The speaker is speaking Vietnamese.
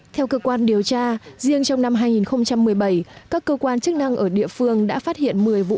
theo cơ quan điều tra riêng trong năm hai nghìn một mươi bảy các cơ quan chức năng ở địa phương đã phát hiện một mươi vụ